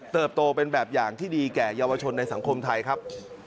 โตเป็นแบบอย่างที่ดีแก่เยาวชนในสังคมไทยครับ